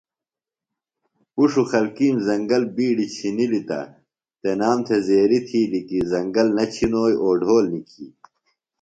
پُݜو خلکِیم زنگل بِیڈی چِھنِلیۡ تہ تنام تھےۡ زیریۡ تِھیلیۡ کی زنگل نہ چِھنوئی اوڈھول نِکھی۔